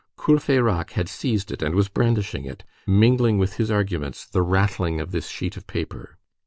Courfeyrac had seized it, and was brandishing it, mingling with his arguments the rattling of this sheet of paper.